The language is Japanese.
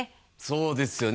そうですよね